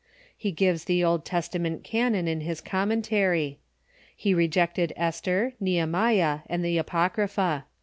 He gives the Old Testament canon in his commentary. He reject ed Esther, Nehemiah, and the Apocrypha.